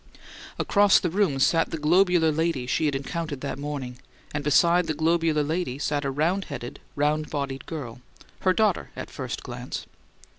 Across the room sat the globular lady she had encountered that morning, and beside the globular lady sat a round headed, round bodied girl; her daughter, at first glance.